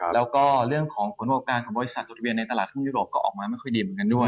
แล้วก็เรื่องของความควบคุมการของบริษัทธุรกิจในตลาดทุ่มยุโรปก็ออกมาไม่ค่อยดีเหมือนกันด้วย